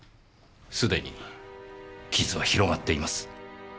すでに傷は広がっています。